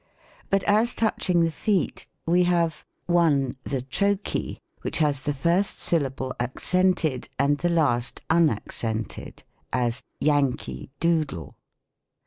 But as touching the feet — we have PROSODY. 123 1. The Trochee, which has the first syllable accent ed, and the last unaccented : as, "Yankee doodle."